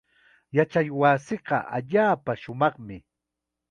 Yachaywasiiqa allaapa shumaqmi.